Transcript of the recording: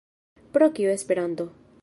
Pro kio Esperanto?